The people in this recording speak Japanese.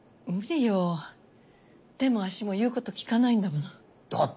無理よ手も足も言うこと聞かないんだもの。